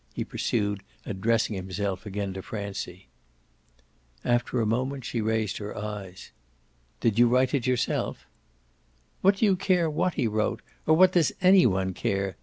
he pursued, addressing himself again to Francie. After a moment she raised her eyes. "Did you write it yourself?" "What do you care what he wrote or what does any one care?"